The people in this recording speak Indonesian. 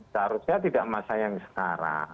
seharusnya tidak masa yang sekarang